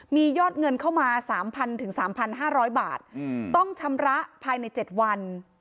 มียอดเงินเข้ามา๓๐๐๓๕๐๐บาทต้องชำระภายใน๗วัน